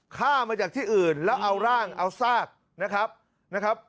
ฆ่ามาจากที่อื่นแล้วเอาร่างเอาซากนะครับนะครับ